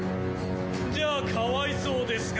じゃあかわいそうですが！